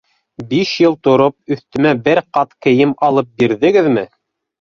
Биш йыл тороп, өҫтөмә бер ҡат кейем алып бирҙегеҙме?